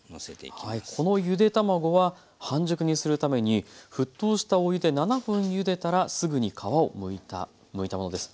このゆで卵は半熟にするために沸騰したお湯で７分ゆでたらすぐに皮をむいたものです。